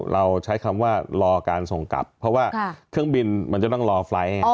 เราใช้คำว่ารอการส่งกลับเพราะว่าเครื่องบินมันจะต้องรอไฟล์ท